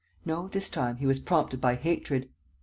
No, this time he was prompted by hatred.